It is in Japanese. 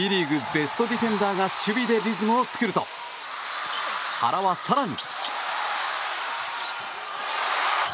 ベストディフェンダーが守備でリズムを作ると原は更に。